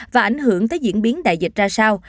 và ảnh hưởng tới diễn biến đại dịch ra sao